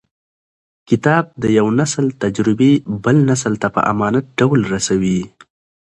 کتاب د یو نسل تجربې بل نسل ته په امانت ډول رسوي.